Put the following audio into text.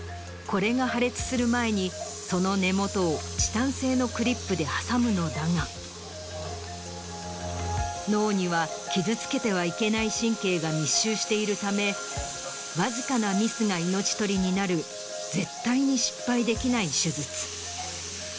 これが破裂する前にその根元をチタン製のクリップで挟むのだが脳には傷つけてはいけない神経が密集しているためわずかなミスが命取りになる絶対に失敗できない手術。